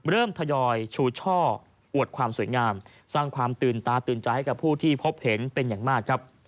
ทยอยชูช่ออวดความสวยงามสร้างความตื่นตาตื่นใจให้กับผู้ที่พบเห็นเป็นอย่างมากครับ